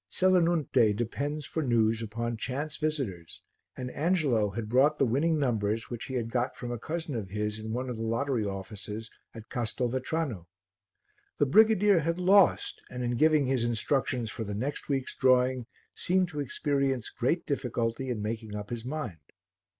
Selinunte depends for news upon chance visitors and Angelo had brought the winning numbers which he had got from a cousin of his in one of the lottery offices at Castelvetrano. The brigadier had lost and in giving his instructions for the next week's drawing seemed to experience great difficulty in making up his mind.